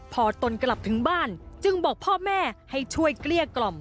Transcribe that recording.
พอตนกลับถึงบ้านจึงบอกพ่อแม่ให้ช่วยเกลี้ยกล่อม